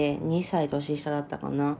２歳年下だったかな。